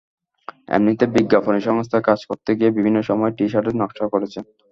এমনিতে বিজ্ঞাপনী সংস্থায় কাজ করতে গিয়ে বিভিন্ন সময় টি-শার্টের নকশা করেছেন।